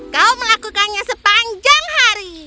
kau melakukannya sepanjang hari